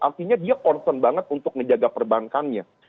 artinya dia concern banget untuk menjaga perbankannya